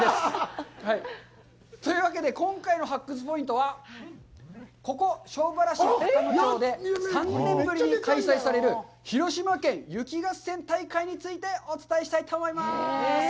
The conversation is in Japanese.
というわけで、今回の発掘ポイントは、ここ、庄原市高野町で３年ぶりに開催される広島県雪合戦大会についてお伝えしたいと思います。